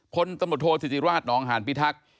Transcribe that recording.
พลตโทษิจิราชนองหานพิทักษ์